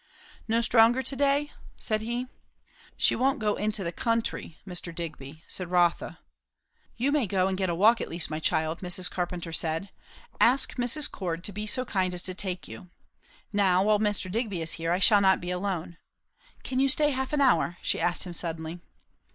"No stronger to day?" said he. "She won't go into the country, Mr. Digby," said Rotha. "You may go and get a walk at least, my child," Mrs. Carpenter said. "Ask Mrs. Cord to be so kind as to take you. Now while Mr. Digby is here, I shall not be alone. Can you stay half an hour?" she asked him suddenly.